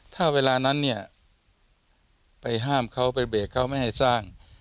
ถ้าเวลานั้นเนี่ยไปห้ามเขาไปเบรกเขาไม่ให้สร้าง